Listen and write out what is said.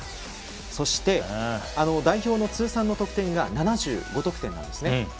そして、代表の通算得点が７５得点なんです。